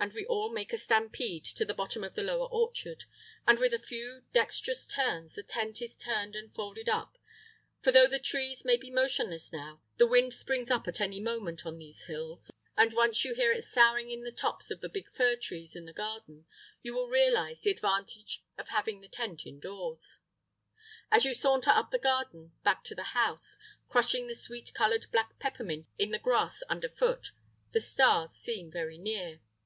And we all make a stampede to the bottom of the lower orchard, and with a few dexterous turns the tent is down and folded up; for though the trees may be motionless now, the wind springs up at any moment on these hills, and once you hear it soughing in the tops of the big fir trees in the garden you will realise the advantage of having the tent indoors! As you saunter up the garden, back to the house, crushing the sweet odoured black peppermint in the grass underfoot, the stars seem very near.